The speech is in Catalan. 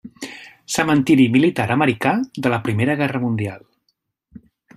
Cementiri militar americà de la Primera Guerra Mundial.